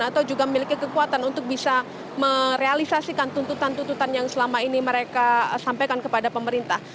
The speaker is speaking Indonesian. atau juga memiliki kekuatan untuk bisa merealisasikan tuntutan tuntutan yang selama ini mereka sampaikan kepada pemerintah